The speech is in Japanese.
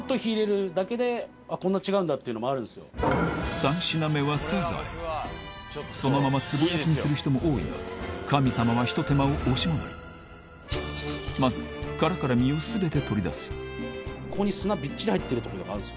３品目はそのままつぼ焼きにする人も多いが神様は一手間を惜しまないまず殻から身を全て取り出すここに砂びっちり入ってるってことがあるんですよ。